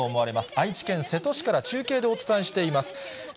愛知県瀬戸市から中継でお伝えしています。